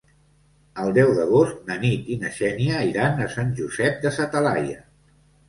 El deu d'agost na Nit i na Xènia iran a Sant Josep de sa Talaia.